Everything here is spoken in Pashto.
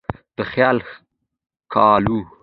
د خیال ښکالو